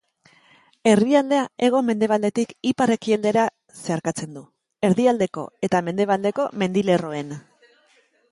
Herrialdea hego-mendebaldetik ipar-ekialdera zeharkatzen du, Erdialdeko eta Mendebaldeko mendilerroen artetik.